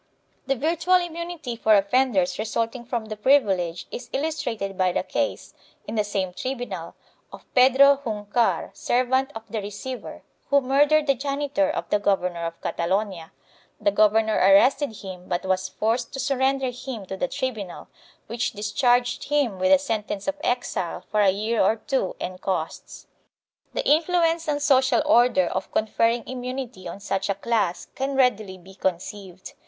The virtual immunity for offenders resulting from the privilege is illustrated by the case, in the same tribunal, of Pedro Juncar, servant of the receiver, who murdered the janitor of the Governor of Catalonia; the governor arrested him but was forced to surrender him to the tribunal, which discharged him with a sentence of exile for a year or two and costs.4 The influence on social order of conferring immunity on such a class can readily be conceived.